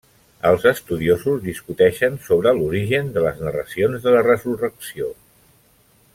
Els estudiosos discuteixen sobre l'origen de les narracions de la resurrecció.